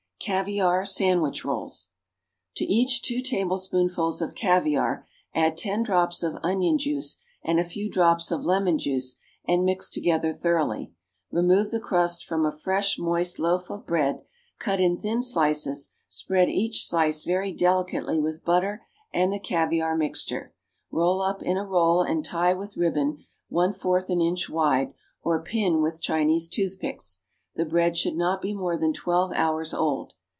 =Caviare Sandwich Rolls.= To each two tablespoonfuls of caviare add ten drops of onion juice and a few drops of lemon juice, and mix together thoroughly. Remove the crust from a fresh, moist loaf of bread, cut in thin slices, spread each slice very delicately with butter and the caviare mixture, roll up in a roll and tie with ribbon one fourth an inch wide, or pin with Chinese toothpicks. The bread should not be more than twelve hours old.